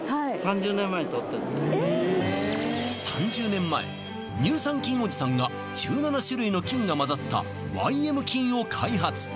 ３０年前乳酸菌おじさんが１７種類の菌がまざったＹＭ菌を開発